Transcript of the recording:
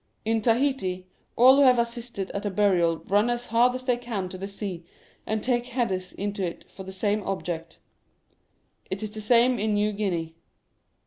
In Tahiti, all who have assisted at a burial run as hard as they can to the sea and take headers into it for the same object. It is the same in New Guinea.